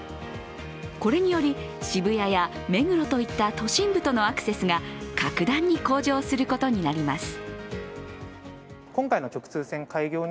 これにより、渋谷や目黒といった都心部とのアクセスが格段に向上することになります。